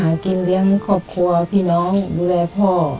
หากินเลี้ยงครอบครัวพี่น้องดูแลพ่อ